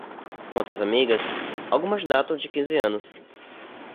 Quanto às amigas, algumas datam de quinze anos